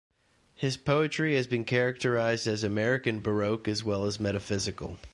His poetry has been characterized as "American Baroque" as well as Metaphysical.